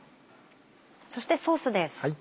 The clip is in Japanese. そしてソースです。